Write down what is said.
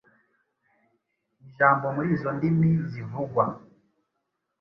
ijambo muri izo ndimi zivugwa